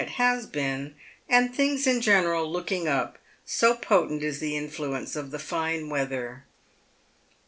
193 it has been, and things in general looking up, so potent is the in fluence of fine weather.